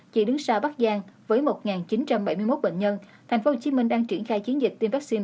chỉ đứng sau bắc giang với một chín trăm bảy mươi một bệnh nhân tp hcm đang triển khai chiến dịch tiêm vaccine